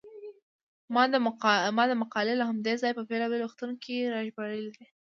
ما دا مقالې له همدې ځایه په بېلابېلو وختونو کې راژباړلې دي.